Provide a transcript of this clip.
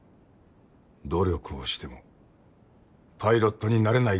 努力をしてもパイロットになれない学生はいる。